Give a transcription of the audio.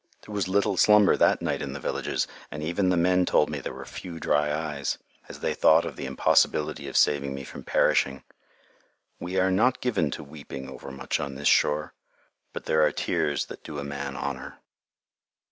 There was little slumber that night in the villages, and even the men told me there were few dry eyes, as they thought of the impossibility of saving me from perishing. We are not given to weeping overmuch on this shore, but there are tears that do a man honor.